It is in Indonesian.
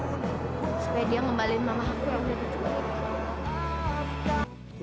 aku mau minta supaya dia ngembalin mama aku yang udah kecil